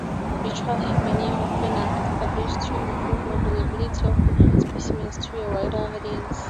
Virtual herbaria often are established to improve availability of specimens to a wider audience.